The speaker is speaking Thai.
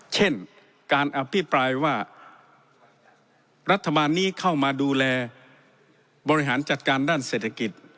เช่นการอภิปรายว่ารัฐบาลนี้เข้ามาดูแลบริหารจัดการด้านเศรษฐกิจ